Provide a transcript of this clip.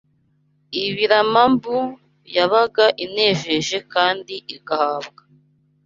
ibiramambu yabaga inejeje kandi igahabwa